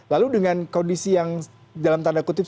lalu dengan kondisi yang dalam tanda kutip